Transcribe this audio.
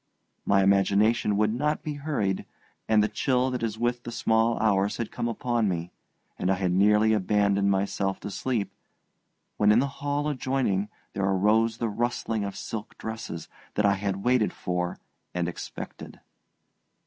My imagination would not be hurried, and the chill that is with the small hours had come upon me, and I had nearly abandoned myself to sleep, when in the hall adjoining there arose the rustling of silk dresses that I had waited for and expected.